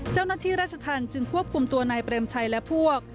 เจ้าหน้าที่ราชธรรมจึงควบคุมตัวนายเปรมชัยและพวก